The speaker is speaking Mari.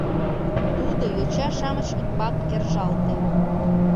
— тудо йоча-шамыч ӱмбак кержалте.